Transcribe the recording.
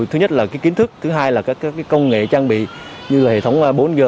thứ nhất là kiến thức thứ hai là các công nghệ trang bị như hệ thống bốn g